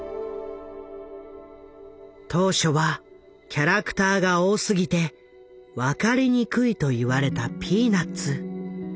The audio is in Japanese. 当初はキャラクターが多すぎて分かりにくいと言われた「ピーナッツ」。